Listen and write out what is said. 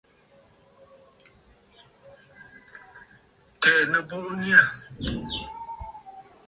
Kɛ̀ʼɛ nɨbuʼu nyâ.